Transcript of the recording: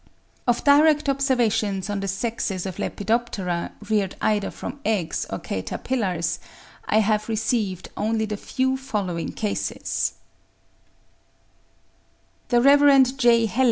Of direct observations on the sexes of Lepidoptera, reared either from eggs or caterpillars, I have received only the few following cases: (See following table.)